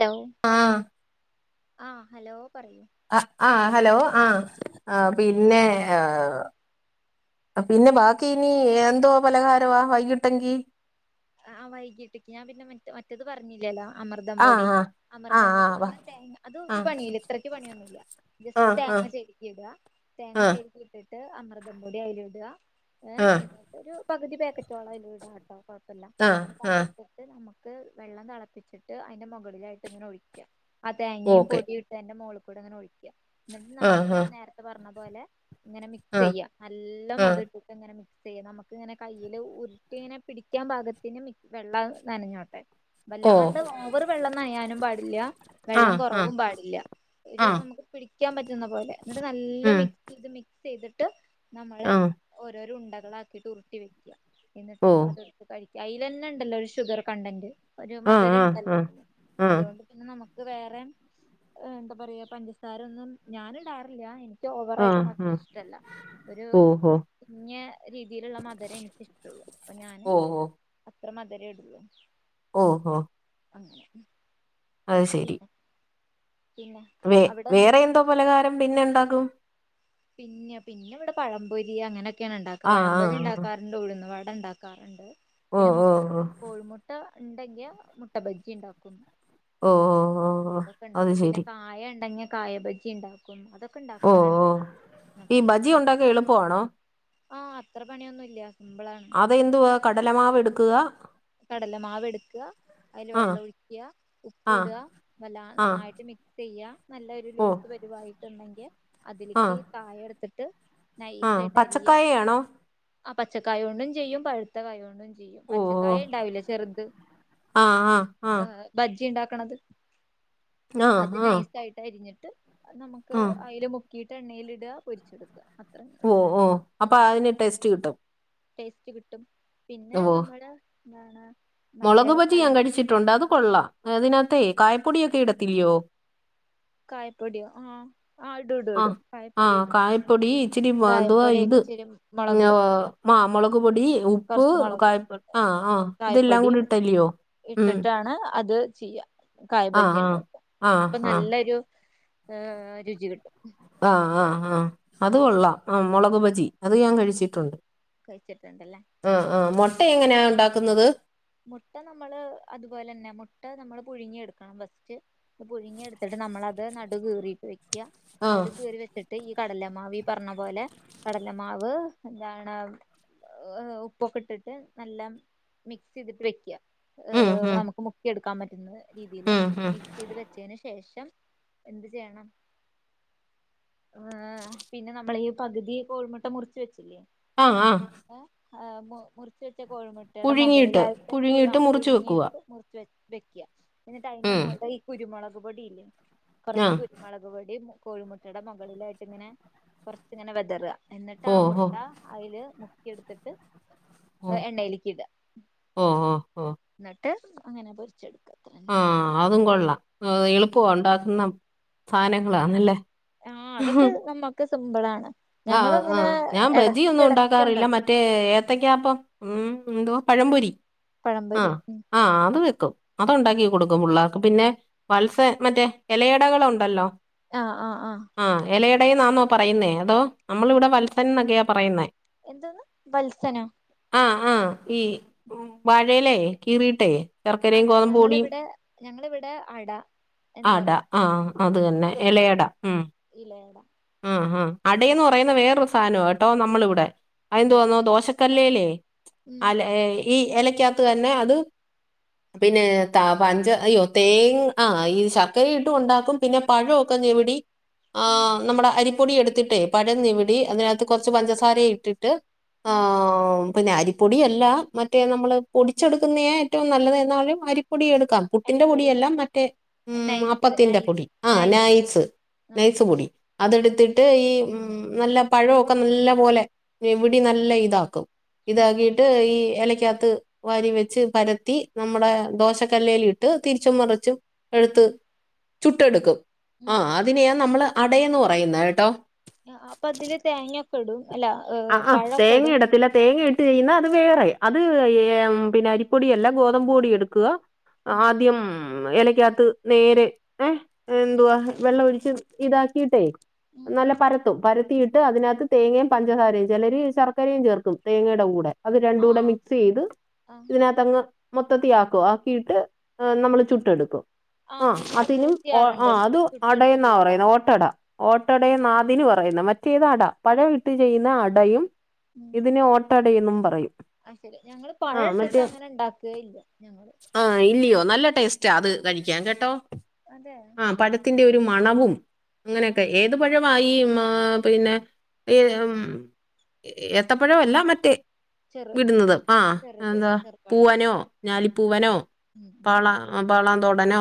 Law ആഹ് ആ hello പറയൂ ആ ഹലോ ആ ആ പിന്നെ ഹ് പിന്നെ ബാക്കി ഇനി എന്തോ പലഹാരവാ വൈകിട്ടെങ്കി ആ വൈകീട്ടേക്ക് ഞാൻ പിന്നെ മറ്റ മറ്റത് പറഞ്ഞില്ലല്ലോ അമൃതം പൊടി ആഹ് ആഹ് അമൃതം ആഹ് പൊടി ആഹ് വാ നമ്മളെ തേങ്ങ അത് ഒരു പണിയില്ല ഇത്രക്ക് പണിയൊന്നുമില്ല ജസ്റ്റ് ആഹ് ആഹ് തേങ്ങ ചെരകി ഇടാ തേങ്ങ ആഹ് ചെരകീട്ട് ട്ട് അമൃതം പൊടി അയിലിടാ ഏ ആഹ് എന്നിട്ടൊരു പകുതി പേക്കറ്റോളം അതിലിടാട്ടോ കൊയ്‌ [unintelligible] ആഹ് ആഹ് അപ്പ ആഹ് അത്ട്ടിട്ട് നമുക്ക് വെള്ളം തിളപ്പിച്ചിട്ട് അയിന്റെ മുകളിലായിട്ട് ഇങ്ങനെ ഒഴിക്ക ആ തേങ്ങ്യം ഓക്കെ പൊടിട്ട് അയിന്റെ മോളുകൂടെ ഇങ്ങനെ ഒഴിക്ക, ഇന്നിട്ട് നമ്മ ആഹ് ഞാൻ ആഹ് നേരത്തെ പറഞ്ഞ പോലെ ഇങ്ങനെ മിക്സ് ആഹ് ചെയ്യ നല്ലം ആഹ് അതിട്ടിട്ട് ഇങ്ങനെ മിക്സ് ചെയ്യാ നമുക്ക് ഇങ്ങനെ കയ്യിയില് ഉരുട്ടി ഇങ്ങനെ പിടി [unintelligible] ഭാഗത്തിനും വെള്ളം നനഞ്ഞോട്ടെ ഓ വല്ലാണ്ട് ഓവറ് വെള്ളം നയാനും പാടില്ല വെള്ളം ആഹ് ആഹ് കുറവും പാടില്ല ഒരു ആഹ് നമുക്ക് പിടിക്കാൻ പറ്റുന്ന പോലെ എന്നിട്ട് നല്ല ഉം മിക്സ് ചെയ്ത് മിക്സ് ചെയ്തിട്ട് ട്ട് നമ്മള് ആഹ് ഓരോരൊ ഉണ്ടകളാക്കിയിട്ട് ഉരുട്ടി വെക്കുക ഇന്നിട്ട് ഓ അത് അയിലെന്നെ ഇണ്ടല്ലോ ഒരു ഷുഗർ കണ്ടന്റ് ഒരു ആഹ് മധുര ആഹ് ഇണ്ടല്ലോ ആഹ് ആഹ് അതുകൊണ്ട് പിന്നെ നമുക്ക് വേറെ എന്താ പറയാ പഞ്ചസാരൊന്നും ഞാന് ഇടാറില്ല എനിക്ക് ഓവറായിട്ട് ആഹ് മധുരം ആഹ് ഇഷ്ടല്ല ഒരു ഓഹോ കുങ്ങിയ രീതിയിലുള്ള മധരം എനിക്കിഷ്ടുള്ളൂ അപ്പൊ ഞാന് അത്ര മതിരം ഇടുള്ളൂ ഓഹൊ അങ്ങനെ അത്ശരി പിന്നെ പിന്നെ വേ അവിടെ എന്താ വേറെ എന്തോ പലഹാരം പിന്നെ ഉണ്ടാകും പിന്നെ പിന്നെ ഇവിടെ പഴംപൊരി അങ്ങനെയൊക്കെയാണ് ഉണ്ടാക്കുക ആഹ് പഴംപൊലി ആഹ് ഉണ്ടാക്കാറുണ്ട് ഉഴന്ന് വ [unintelligible] ഉണ്ടാക്കാറുണ്ട് ഓ പിന്നെ ഓ ഓ കോഴിമുട്ട ഉണ്ടെങ്കിയ മുട്ട ബജി ഉണ്ടാക്കുന്നു ഓ ഓ ഓ ഓ അതൊക്കെ അത് ഉണ്ടാക്കും പിന്നെ ശരി കായ ഉണ്ടെങ്ങിയ കായബജി ഉണ്ടാക്കും [unintelligible] അതൊക്കെ ഓ ഓ ഇണ്ടാക്കാറുണ്ട് ഈ ബജി [unintelligible] ഉണ്ടാക്കാൻ എളുപ്പമാണോ ആഹ് അത്ര പണിയൊന്നുംല്ല അതെന്തുവാ കടലമാവ് എടുക്കുക കടല മാവ് എടുക്കുക അതില് ആ വെള്ളം ഒഴിക്കുക ആ ഉപ്പ് ഇടുക നല്ല ആ നന്നായിട്ട് മിക്സ് ചെയ്യാ നല്ല ഒരു ഓ ലൂസ് പരുവായി ഇണ്ടെങ്കിൽ അതിലേക്ക് കായ എടുത്തിട്ട് ആഹ് നൈസായിട്ട് അരിയ പച്ചക്കായ ആണോ ആ പച്ചക്കായ കൊണ്ടും ചെയ്യും പഴുത്തക്കായൊണ്ടും ചെയ്യും ഓ പച്ച ഓ കായ ഉണ്ടാവില്ല ചെറുത് ആ ആ ആ ബജ്ജി ഉണ്ടാക്ക ആ അത് ആ നൈസായിട്ട് അരിഞ്ഞിട്ട് നമുക്ക് ആ അൽമുക്കീട്ട് എണ്ണെയിലിടുക പൊരിച്ചെടുക്കും ഓ ഓ അപ്പൊ അതിന് ടെസ്റ്റ് കിട്ടും ടേസ്റ്റ് കിട്ടും ഓ പിന്നെ നമ്മുടെ എന്താണ് മറ്റേ മുളക് ബജി ഞാൻ പഴം കഴിച്ചിട്ടുണ്ട് അത് കൊള്ളാം അതിനകത്തേ കായപ്പൊടിയൊക്കെ ഇടത്തില്യോ കായപ്പൊടിയ ആഹ് ആഹ ആഹ് കായപ്പൊടി ഇച്ചിരി അതുവ കായപ്പൊടി ഇത് ഇച്ചിരി [unintelligible] മുളക് ആ മുളക് പൊടി ഉപ്പ് കുറച്ച് മുളക് കായപ്പ ആഹ് ആഹ് ഇതെല്ലാം കൂടി കായപ്പൊടിയും ഇട്ടല്ലയോ ഉം ഇട്ടിട്ടാണ് അത് ചെയ്യുക കായ് ആ ബജി ആ ഉണ്ടാക്കുക ആ അപ്പൊ ആ നല്ലൊരു ആഹ് രുചികിട്ടും ആഹ് ആഹ് ആഹ് അത് കൊള്ളാം ആ മുളക് ബജി അത് ഞാൻ കഴിച്ചിട്ടുണ്ട് കഴിച്ചിട്ടുണ്ടല്ലേ ആഹ് ആഹ് മുട്ട എങ്ങനെയാ ഉണ്ടാക്കുന്നത് മുട്ട നമ്മള് അതുപോലെ തന്നെ മുട്ട നമ്മള് പുഴുങ്ങിയ എടുക്കണം ഫസ്റ്റ് പുഴുങ്ങിയ എടുത്തിട്ട് നമ്മളത് നടു കീറിയിട്ട് വെക്കുക ആ നുകയറി വെച്ചിട്ട് കടലമാവി പറഞ്ഞ പോലെ കടലമാവ് എന്താണ് ഉപ്പൊക്കെ ഇട്ടിട്ട് നല്ല [unintelligible] മിക്സ് ചെയ്തിട്ട് വെക്കുക ഉം ഉം നമുക്ക് മുക്കിയെടുക്കാൻ പറ്റുന്ന രീതിയിൽ ഉം ഉം മിക്സ് ചെയ്ത് വെച്ചതിന് ശേഷം എന്ത് ചെയ്യണം ഏ പിന്നെ നമ്മള ഈ പകുതി കോൾമുട്ട മുറച്ച് വെച്ചില്ലേ ആഹ് ആഹ് ആ് മുറിവെച്ച കോഴിമുട്ടയുടെ പുഴുങ്ങിയിട്ട് മുകളിലായിട്ട് പുഴുങ്ങിയിട്ട് ആ മുറിച്ച് വെക്കുക പുഴുങ്ങിട്ട് മുറിച്ച് വെച്ച വെക്ക എന്നിട്ട് അതിന്റെ ഉം മോളെ ഈ കുരുമുളക് പൊടിയില്ലേ ആ കുറച്ച് കുരുമുളക് പൊടി കോഴിമുട്ടയുടെ മുകളിലായിട്ട് ഇങ്ങനെ കുറച്ച്ങ്ങനെ വെതറ എന്നിട്ട് ഓ ആ ഓ മുട്ട അയില് മുക്കിയെടുത്തിട്ട് ഓ എണ്ണയിലേക്ക്ഇട ഓ ഓ ന്നിട്ട് അങ്ങനെ പൊരിച്ചെട് ആഹ് അതും കൊള്ളാം എളുപ്പ ഉണ്ടാക്കുന്ന സാധനങ്ങളാണല്ലേ ആഹ് അതൊക്കെ നമ്മുക്ക് സിമ്പിളാണ് ആഹ് ഞങ്ങളിങ്ങനെ ആഹ് ഞാൻ ബജിയൊന്നും എടക്കെടക്ക് ഉണ്ടാക്കാറില്ല ഇണ്ടാക്കും മറ്റേ ഏത്തക്കാപ്പ ഉം എന്തുവാ പഴംപൊരി ആ പഴംപൊരി ആ അത് വെക്കും അതു ഉണ്ടാക്കി കൊടുക്കും പുള്ളാർക്ക് പിന്നെ വത്സ മറ്റേ ഇലയിടകൾ ഉണ്ടല്ലോ ആഹ് ആഹ് ആഹ് ആ എലയടെന്നാന്നോ പറയുന്നേ അതോ നമ്മൾവിടെ വത്സൻന്നൊക്കെയാ പറയുന്നേ എന്തന്ന് വത്സനൊ ആ ആ ഈ വാഴയിലേ കീറിട്ടേ ശർക്കരയും അതെ ഗോതമ്പ്പൊടിയും ഞങ്ങളിവിടെ ഞങ്ങളിവിടെ അട എന്ന് അട പറയും ആ അത് തന്നെ എലയട ഇലയടാ ആ ആ അടേന്ന് പറയുന്ന വേറൊരു സാനോട്ടോ നമ്മളിവിടെ അതെ അയിന്തോന്നോ ദോശ കല്ലേലെ ഉം അല ഈ എലക്കകത്ത് തന്നെ അത് പിന്നെ ത പഞ്ച അയ്യോ തേങ് ആ ഈ ശർക്കര ഇട്ടു ഉണ്ടാക്കും പിന്നെ പഴവൊക്കെ ഞവിടി ആ ഉം നമ്മുടെ അരിപ്പൊടി എടുത്തിട്ടേ പഴന്നവിടി അതിനകത്ത് കൊർച്ച് പഞ്ചസാര ഇട്ടിട്ട് ആ ഉം പിന്നെ അരിപ്പൊടിയല്ല മറ്റേ നമ്മള് പൊടിച്ചെടുക്കുന്നയെ ഏറ്റവും നല്ലത് എന്നാലും അരിപ്പൊടി എടു ക്ക പുട്ടിന്റെ അരിപ്പൊടി പൊടിയെല്ല മറ്റേ ഉം നൈസ് നൈസ് അപ്പത്തിന്റെപൊടി ആ നൈസ് ആഹ് നൈസ്പൊടി ഉം അതെടുത്തിട്ട് ഈ നല്ല പഴഒക്കെ നല്ലപോലെ ഞെവിടി നല്ല ഇതാക്കും ഉം ഇതാക്കിട്ട് ഈ ഇലയ്ക്കകത്ത് വാരി വെച്ച് പരത്തി നമ്മുടെ ദോശക്കല്ലേല്ട്ട് തിരിച്ചും മറിച്ചും എഴ്ത്ത് ചുട്ടെടുക്കും ആ ഉം അതിനെയാ നമ്മള് അടയന്ന് പറയുന്നേട്ടോ അപ്പൊ അതില് തേങ്ങൊക്കെ ഇടും അല്ല അ ഏഹ് ആ പഴൊക്കെ തേങ്ങ ഇടും ഇടത്തില്ല തേങ്ങ ട്ട് ചെയ്യ്‌ന്ന അത് വേറെ അത് ഏ പിന്നെ അരിപ്പൊടിയല്ല ഗോതമ്പ് പൊടി എടുക്കുക ആഹ് ആദ്യം ഇലയ്ക്കകത്ത് നേരെ ഏ ഉം എന്തുവാ വെള്ളം ഒഴിച്ച് ഇതാക്കിട്ടെ ഉം നല്ല പരത്തും പരത്തിയിട്ട് അതിനകത്ത് തേങ്ങേ പ ഞ്ചസാരയും ചിലര് ശർക്കരയുംചേർക്കും തേങ്ങയുടെകൂടെ അത് രണ്ടൂടെ ആഹ് മിക്സ് ചെയ്ത് ആഹ് ഇതിനത്തങ്ങ് മൊത്തത്തിആക്കും ആക്കിയിട്ട് നമ്മള് ചുട്ടെടുക്കും. ആ ആഹ് ഞങ്ങളത് അതിനും ഓ ആ ചെയ്യാറുണ്ട് അത് അടയന്ന ചുട്ടെടുത്തിട്ടുള്ള അട പറയുന്ന ഓട്ടട ഓട്ടടേന്ന അതിന്പറയുന്നെ മറ്റേത് അട പഴവിട്ട് ചെയ്യുന്ന അടയും ഇതിന് ഓട്ടടേന്നു പറയും ആ ശരി ഞങ്ങള് പഴ ആ ഇട്ടിട്ട് മറ്റേ അങ്ങനെ ഇണ്ടാക്കെഇല്ല ഞ ടേസ്റ്റ അത് കഴിക്കാൻ കേട്ടോ അതെ ആ പഴത്തിന്റെ ഒരു മണവും ഉം. അങ്ങനെയൊക്കെ ഏതു പഴമായി മാ പിന്നെ ഏത്തപ്പഴവല്ല മറ്റെ ചെറു വിട്ന്നത് അ ചെറുത് എന്താ ചെറുപഴം പുവനോ ഞാലിപുവനോ ഉം ഉം പാള ഉം പാളതോടനോ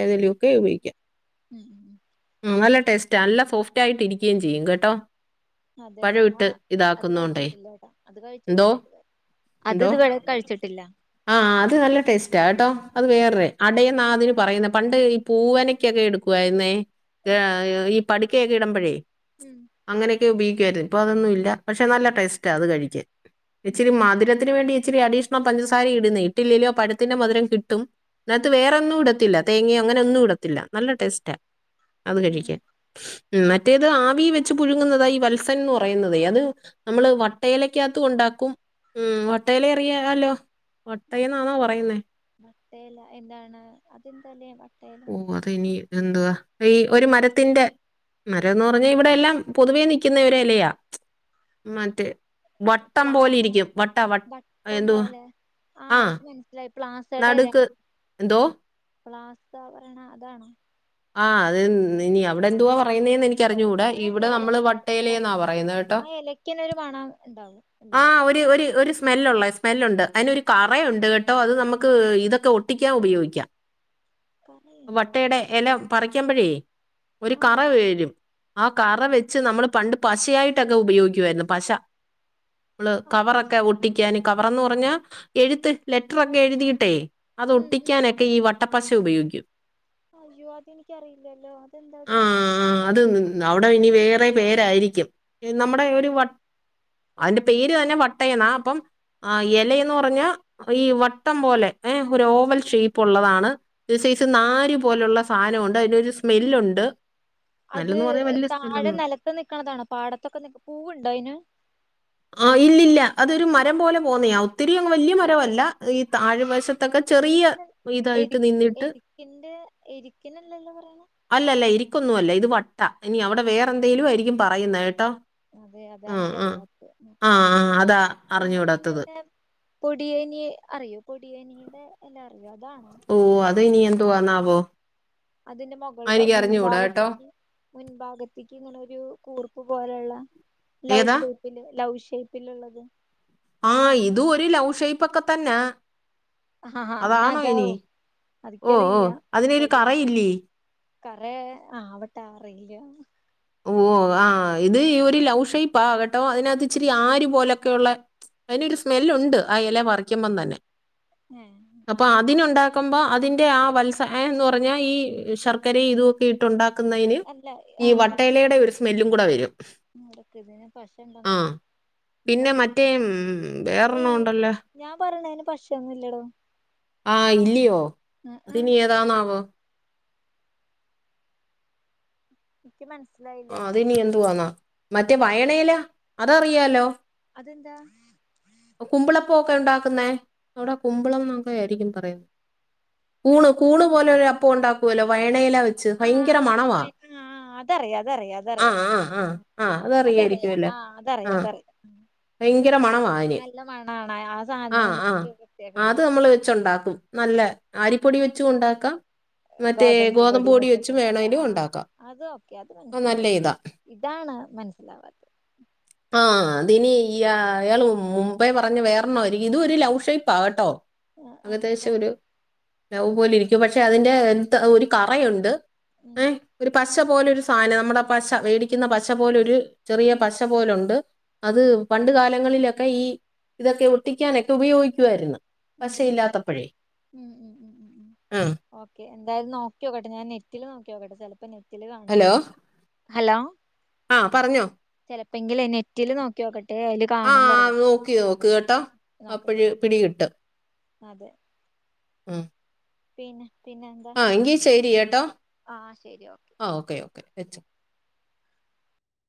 ഏതെലുഒക്കെ ഉപയോഗിക്കാ [unintelligible] നല്ല ടേസ്റ്റ്ആ അല്ല സോഫ്റ്റ്ആയിട്ട് ഇരിക്കയുംചെയ്യും കേട്ടോ അതെ പഴം ഞാനാ ഇട്ട് അത് ഇതാക്കുന്നോണ്ടേ കഴിച്ചിട്ടില്ലേട്ടാ അത് എന്തോ കഴിച്ചിട്ടില്ല ഇതുവരെ അത് എന്തോ ഇതുവരെ കഴിച്ചിട്ടില്ല ആ അത് നല്ല ടേസ്റ്റാട്ടോ അത് വേറെ അടയൊ ന്നാതിന് പറയുന്ന പണ്ട് ഈ പൂവനക്കൊക്കെ എടുക്കുവായിരുന്നേ ഓ. പഠിക്കയൊക്കെ ഇടുമ്പോഴേ ഉം അങ്ങനെയൊക്കെ ഉപ ക്കാര് ഇപ്പൊ അതൊന്നുഇല്ല പക്ഷെ നല്ല ടേസ്റ്റാ അത്കഴിക്കാ ഇച്ചരി ഉം മധുരത്തിന് വേണ്ടി ഇച്ചിരി അഡീഷണ പഞ്ചസാര ഇട്ന്നെ ഇട്ടില്ലേലും ആ പഴത്തിന്റെ മധുരം കിട്ടും നഅത്ത് വേറെൊന്നും ഇടത്തില്ല തേങ്യോ അങ്ങനെ ഒന്നു ഇടത്തില്ല നല്ലടേസ്റ്റാ അത് കഴിക്ക ഉം ഉ മറ്റേത് ആവി വെ പുഴുങ്ങുന്നതാണ് ഈ വത്സൻ എന്ന് പറയുന്നത് അത് നമ്മള് വ ക്യാത്തു ഉണ്ടാക്കും ഉ വട്ടയില അറിയല്ലോ മട്ടേല എന്താണ് അതെന്തലേണ് ഓ അത ഇനി എന്തുവാ ഈ ഒരു മരത്തിന്റ മരന്ന് പറഞ്ഞ ഇവിടെ എല്ലാം പൊതുവേ നിൽക്കുന്ന ഒരുലയ മറ്റേ വട്ടം പോലെ പ്ലാസ ഇരിക്കും വട്ട വ വട്ടം എന്തു പോലെ ആഹ് അത് മനസ്സിലായി പ്ലാസേഡല്ലേ എന്തോ? പ്ലാസ അതാണ്ോ ആഹ് അത് ഇീ അവിടെ എന്തുവാ പോവാ പറ [unintelligible] വട്ടയിലയെന്നാ പറയുന്നത് കേട്ടോ. ആ ഇലക്കന്നൊ ഒരു മണം ഉണ്ടാവും ആ അല്ലെ ഒരു ഒരു ഒരു സ്മെല്ലള്ളേ സ്മെല്ലുണ്ട് അതിനൊ ഒരു കറയുണ്ട് കേട്ടോ അത് നമുക്ക് ഇതൊക്കെ ഒട്ടിക്കാൻ ഉപയോഗിക്കാം കറയുണ്ഡോ പറിക്ക്പഴേ ഒരു കറ വരും ആ കറ വെച്ച് നമ്മൾ പണ്ട് പശയായിട്ടൊക്കെ ഉപയോഗിക്കുായിരുന്നു പശ നമ്മള് അതാ കവറൊക്കെ ഒട്ടിക്കാന് കവർന്ന് പറഞ്ഞാ ഉം എഴുത്ത് ലെറ്ററൊക്കെ എഴുതിയിട്ടേ ഉം ഉം അത്ൊട്ടിക്കാനൊക്കെ ഈ വട്ടപ്പശ ഉപയോഗിക്കും. ആയോ അത എനിക്കറിയില്ലല്ലോ അതെന്താത് ആഹ് ആഹ് അത് അവിടെ ഇനി വേറെ പേരായിരിക്കും നമ്മുടെ ഒരു അതിന്റെ പേര് തന്നെ വട്ടയ എന്നാ അപ്പം ഇലയന്ന് പറഞ്ഞ ഈ വട്ടം പോലെ ഏഹ ഒരു ഓവൽ ഷേപ്പ് ഉള്ളതാണ് ഒരു സൈസ് നരു പോലുള്ള സാധനമുണ്ട് അതിനൊരു സ്മെല്ലുണ്ട് അത് സ്മെല്ലെന്ന് പറഞ്ഞാ വലിയ താഴെ സ്മെല്ലൊന്നും നിലത്ത് നിക്കണതണോ പാടത്തൊക്കെ ന പൂവുണ്ടോ അതിന് ആ ഇല്ലല്ല അതൊരു മരം പോലെ പോന്നെയ ഒത്തിരിങ് വലിയ മറ്റേ മരമല്ല ഈ താഴെ വശത്തൊക്കെ ചെറിയ ഇതിനല്ല എരി ഇതായിട്ട് നിന്നിട്ട് എരിക്കിന്റെ എരിക്കിനല്ലല്ലോ പറയണെ അല്ലല്ല ഇരിക്കൊന്നും അല്ല ഇത് ആ ഇനി അവിടെ വേറെ എന്തെങ്കലും ആയിരിക്കും പറയുന്നത് കേട്ടോ അതെ അതാണ ഉം, ഉം. ആ, എിക്കറിയാത്തത് ആ അതാ ഞങ്ങൾ പിന്നെ അറിഞ്ഞൂടാത്തത്. ഇവിടെ പൊടിയന അറിയോ പൊടിയനിയുടെ എല്ലാ അത ആണ അത ന എന്തുോവാന്നാവോ? അതിന്റെ മുകൾ മുൻഭാഗത്തേക്ക് മുൻഭാഗത്തേക്ക് ഇങ്ങ ഒരു കൂർപ്പ് പോലെയുള്ള ലവ് ഏതാ? ഷേപ്പില് ലവ് ഷേപ്പിലുള്ളത് ആഹ് അതാണോ ഇത് ഒരു ലൗഷേപ്പ് ഒക്കെ തന്നെ ആഹ് ഹാ എന്നാ അതാണോ അതാവും ഇനി ഓ ഓ അതിക്കറിയില്ല അതിനൊരു പൊടി കറയില്ലേ കറ ആവിട്ട അറിയില്ല ഓ ആഹ് ഇത് ഈ ഒരു ലൗഷയിപ്പ ആകട്ടോ അതിനകത്ത് ഇച്ചിരി ആര് പോലെയൊക്കെയ ഉള്ള അതിനൊരു സ്മെല് ഉണ്ട് ആ ഇല പററിക്കുമ്പം തന്നെ ഏ അപ്പൊ അതെന്താ അതിനുണ്ടാക്കുമ്പോ അതിന്റെ ആ വത്സ എന്ന് പറഞ്ഞാ ഈ ശർക്കരയും ഇതൊക്കെ ഇട്ടുണ്ടാക്കുന്നതിന് അല്ല ഈ വട്ടേലയുടെ ഒരു സ്മെല്ലും കൂടെ വരും ക്ക് ഇതി പശ ഇണ്ട ആ നോക്ക ഇവിടെ പിന്നെ ന മറ്റേ ഉം, വേറൊരെണ്ണം ഏയ് ഉണ്ടല്ലോ ഞാൻ പറണതിന് പശ ഒന്നും ഇല്ലടോ ആഹ ഇല്ലയോ ഉം ഉം അതിനി ഏതാന്നാവോ? എനിക്ക് ആ മനസ്സിലായില്ലാട്ടാ അത്നി എന്തുവാന്നാ മറ്റേ ഉം വയണയില അതറിയാലോ? അതെന്താ? പോക്കെ ഉണ്ടാക്കുന്നേ അവിടെ കുമ്പളം എന്നൊക്കെ ആായിരിക്കും പറയുന്നത് ക കുണ് കൂണ്ു പോലെ ഒരു അപ്പ ഉണ്ടാക്കുവല്ലോ വയ മടയില വെച്ചു ഭയങ്കര മണവാ അതറിയാ ആ അതറിയാ ആ ആ ആ അതറിയ അതറിയായിരിക്കുമല്ലോ ആ ആ അതറിയാ അതറിയാ ഭയങ്കര മണമാ യ്ന്. ആ സാധനം ആ ഉണ്ടെങ്കിൽ പ്രത്യേക ഒരു അത് ഇതാണ് നമ്മൾ വെച്ചുണ്ടാക്കും നല്ല അരിപ്പൊടി വെച്ചു ഉണ്ടാക്കാ മറ്റേ ഗോതമ്പ് ഗോതമ്പു പൊടിന്ന് പൊടി വെച്ചും വെച്ചിട്ടുണ്ടാക്ക വേണെലും ആ ഉണ്ടാക്കാം. അത് ഓക്കെ അത് നല്ല മനസ്സിലായി ഇതാ ഇതാണ് മനസ്സിലാവാത്തെ ആഹ് ഇനി ഇയാ ഇയാൾ മുമ്പെ പറഞ്ഞ വേറൊണ്ണായിരിക്കും. ഇതും ഒരു ലൗഷേപ്പാ കെട്ടൊ. ആ അതെ ല്ലേ ലവ് പോലെ ഇരിക്കും പക്ഷെ അതിന്റെ എന്ത് ത്താ ഒരു കറയുണ്ട്. ഉം ഏ ഒരു പശ ഉം പോലെ ഒരു സാനാ. നമ്മുടെ പശ വേടിക്കുന്ന പശ പോലെ ഒര് ചെറിയ ഉം പശ പോലുണ്ട്. അത് ഉം പണ്ട് കാലങ്ങളിലൊക്കെ ഈ ഇതൊക്കെ ഒട്ടിക്കാനൊക്കെ ഉപയോഗിക്കുവായിരുന്ന്. ഉം ഉം ഉം പശയില്ലാത്തപ്പഴേ. ഉം ഉം ഉ ഉ ഉ ഓക്കെ എന്തായാലും നോക്കിയോക്കട്ടെ ഞാൻ നെറ്റില് നോക്കിയോക്കട്ടെ. ചെല പ്പം നെറ്റിൽ കാണും. ഹലോ ഹലോ ആ പറഞ്ഞോ ചെലപ്പെങ്കില് നെറ്റില് നോക്കിയോക്കട്ടെ അയില് കാണും പറയാ. നോക്കട്ടെ അപ്പൊഴ് നോ പിടികിട്ടും. അതെ ഉം പിന്നെ ആ എങ്കി ശരിയേട്ടോ. ആ ശരി ഓക്കെ. ഓകെ വെച്ചൊ.